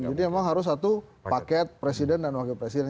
jadi memang harus satu paket presiden dan wakil presiden